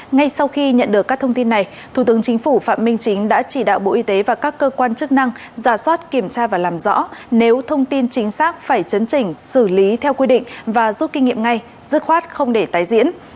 ngay sau khi nhận được các thông tin này thủ tướng chính phủ phạm minh chính đã chỉ đạo bộ y tế và các cơ quan chức năng giả soát kiểm tra và làm rõ nếu thông tin chính xác phải chấn chỉnh xử lý theo quy định và rút kinh nghiệm ngay dứt khoát không để tái diễn